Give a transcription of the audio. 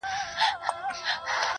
زه لاس په سلام سترگي راواړوه,